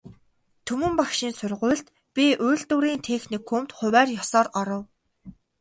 Түмэн багшийн сургуульд, би үйлдвэрийн техникумд хувиар ёсоор оров.